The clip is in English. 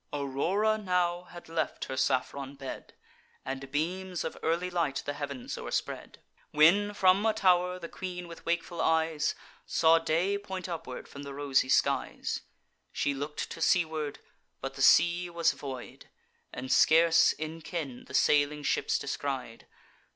Aurora now had left her saffron bed, And beams of early light the heav'ns o'erspread, When, from a tow'r, the queen, with wakeful eyes, Saw day point upward from the rosy skies. She look'd to seaward; but the sea was void, And scarce in ken the sailing ships descried.